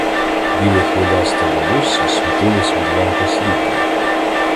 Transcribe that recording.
Біле хвилясте волосся світилось від лампи сріблом.